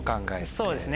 そうですね。